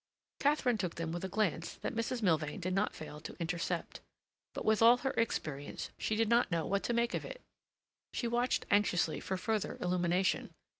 Katharine took them with a glance that Mrs. Milvain did not fail to intercept. But with all her experience, she did not know what to make of it. She watched anxiously for further illumination.